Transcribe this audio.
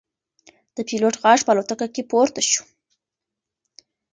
د پیلوټ غږ په الوتکه کې پورته شو.